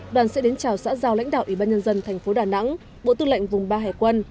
đoàn sẽ đến chào xã giao lãnh đạo ủy ban nhân dân thành phố đà nẵng bộ tư lệnh vùng ba hải quân